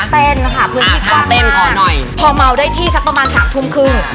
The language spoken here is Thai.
เต้นค่ะพื้นที่กว้างมากพอเมาได้ที่สักประมาณ๓ทุ่มครึ่ง